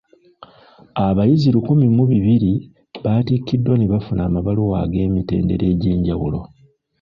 Abayizi lukumi mu bibiri batikkiddwa ne bafuna amabaluwa ag’emitendera egy'enjawulo.